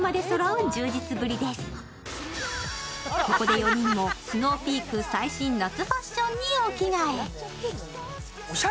ここで４人もＳｎｏｗＰｅａｋ最新夏ファッションにお着替え。